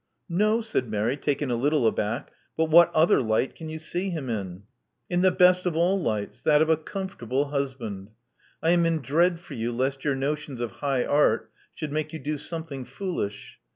"No," said Mary, taken a little aback. "But what other light can you see him in?" Love Among the Artists 303 *'In the best of all lights: that of a comfortable husband. I am in dread for you lest your notions of high art should make you do something foolish.